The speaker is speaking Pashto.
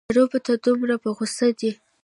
عربو ته دومره په غوسه دی.